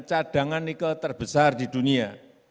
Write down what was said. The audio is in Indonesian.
cadangan nikel terbesar di dunia